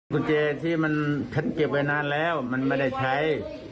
กุญแจที่มันฉันเก็บไว้นานแล้วมันไม่ได้ใช้